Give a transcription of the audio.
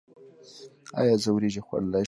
ایا زه وریجې خوړلی شم؟